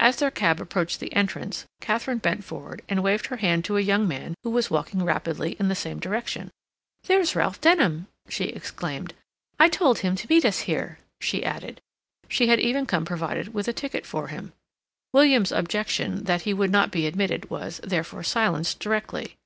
As their cab approached the entrance, Katharine bent forward and waved her hand to a young man who was walking rapidly in the same direction. "There's Ralph Denham!" she exclaimed. "I told him to meet us here," she added. She had even come provided with a ticket for him. William's objection that he would not be admitted was, therefore, silenced directly.